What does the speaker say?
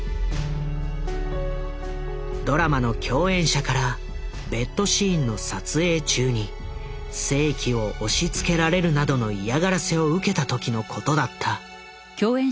ドラマの共演者からベッドシーンの撮影中に性器を押しつけられるなどの嫌がらせを受けた時のことだった。